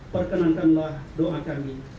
perkenankanlah doa kami